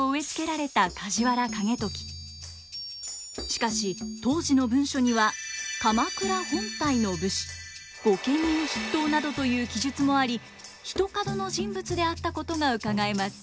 しかし当時の文書には「鎌倉本体の武士」「御家人筆頭」などという記述もありひとかどの人物であったことがうかがえます。